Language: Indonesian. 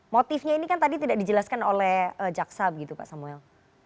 motifnya ini kan tadi tidak dijelaskan oleh jaksa begitu pak samuel